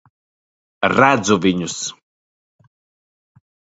Redzu viņus.